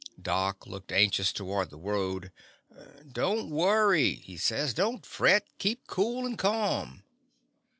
Doc looked anxious toward the road. "Don't worry," he says. "Don't fret. Keep cool and ca'm."